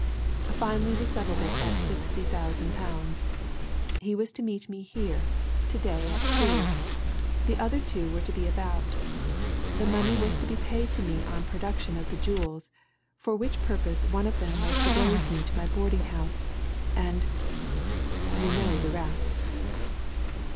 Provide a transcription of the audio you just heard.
Finally, we settled it at sixty thousand pounds. He was to meet me here to day at two the other two were to be about the money was to be paid to me on production of the jewels, for which purpose one of them was to go with me to my boarding house. And you know the rest."